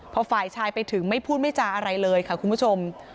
พอฝ่ายชายไปถึงไม่พูดไม่จาอะไรเลยค่ะคุณผู้ชม